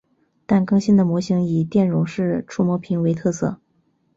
但更新的模型以电容式触摸屏为特色。